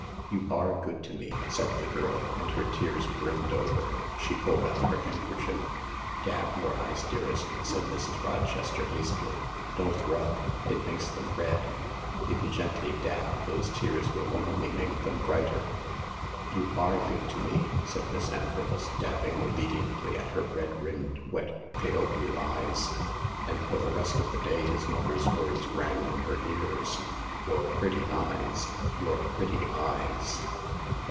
" You are good to me," said the girl, and her tears brimmed over. She pulled out her handkerchief. " Dab your eyes, dearest," said Mrs. Rochester hastily, "don't rub. It makes them red. If you gently dab, those tears will only make them brighter." "You are good to me," said Miss Antrobus, dabbing obediently at her red rimmed wet pale blue eyes. And for the rest of the day his mother's words rang in her ears :" Your pretty eyes. Your pretty eyes."